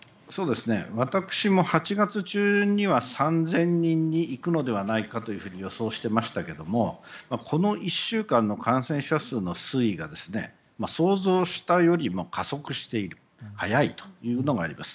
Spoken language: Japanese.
私も８月中には３０００人にいくのではないかと予想していましたがこの１週間の感染者数の推移が想像したより加速している速いというのがあります。